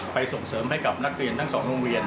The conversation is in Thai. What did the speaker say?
ส่งเสริมให้กับนักเรียนทั้ง๒โรงเรียน